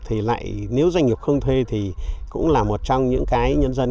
thì lại nếu doanh nghiệp không thuê thì cũng là một trong những cái nhân dân